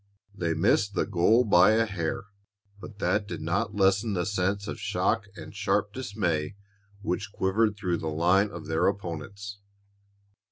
They missed the goal by a hair, but that did not lessen the sense of shock and sharp dismay which quivered through the line of their opponents.